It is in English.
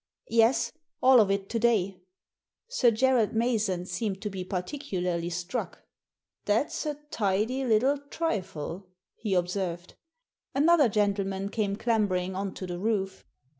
"Yes, all of it to day." Sir Gerald Mason seemed to be particularly struck. " That's a tidy little trifle," he observed. Another gentleman came clambering on to the roof.